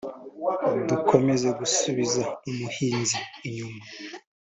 bukomeza gusubiza umuhinzi inyuma